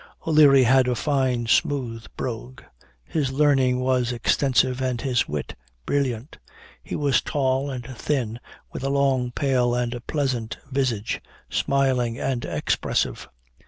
O'Leary had a fine smooth brogue; his learning was extensive, and his wit brilliant. He was tall and thin, with, a long, pale, and pleasant visage, smiling and expressive.